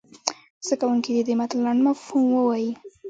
زده کوونکي دې د متن لنډ مفهوم ووایي.